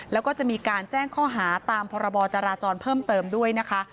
แล้วก็จะมีการแจ้งข้อหาตามพรบจราจรเพิ่มเติมด้วยนะคะ